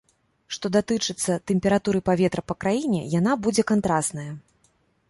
Што датычыцца тэмпературы паветра па краіне, яна будзе кантрасная.